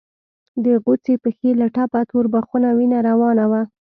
د غوڅې پښې له ټپه تور بخونه وينه روانه وه.